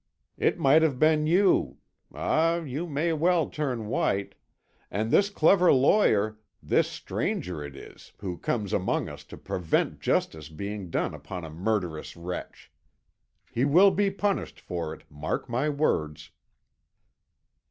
It might have been you ah, you may well turn white and this clever lawyer, this stranger it is, who comes among us to prevent justice being done upon a murderous wretch. He will be punished for it, mark my words."